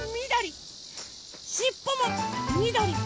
しっぽもみどり！